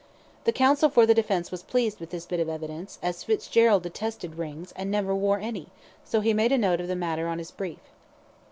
The counsel for the defence was pleased with this bit of evidence, as Fitzgerald detested rings, and never wore any; so he made a note of the matter on his brief.